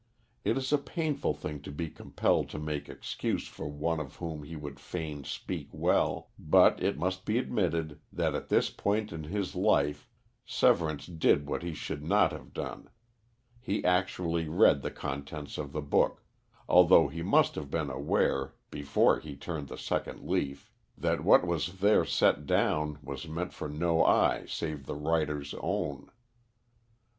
It is a painful thing to be compelled to make excuse for one of whom we would fain speak well, but it must be admitted that at this point in his life Severance did what he should not have done he actually read the contents of the book, although he must have been aware, before he turned the second leaf, that what was there set down was meant for no eye save the writer's own.